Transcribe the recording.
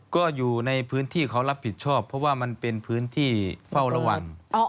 ก็อยู่ในพื้นที่เขารับผิดชอบเพราะว่ามันเป็นพื้นที่เฝ้าระวัง